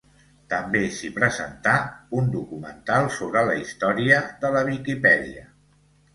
També s'hi presentà un documental sobre la història de la Viquipèdia.